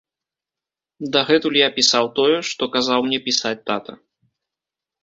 Дагэтуль я пісаў тое, што казаў мне пісаць тата.